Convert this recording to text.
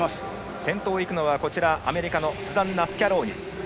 先頭を行くのがアメリカのスザンナ・スキャローニ。